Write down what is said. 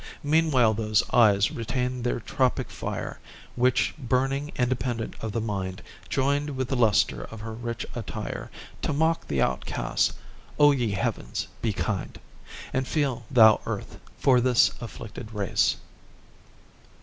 Meanwhile those eyes retained their tropic fire Which burning independent of the mind, Joined with the luster of her rich attire To mock the outcast O ye heavens, be kind! And feel, thou earth, for this afflicted race!"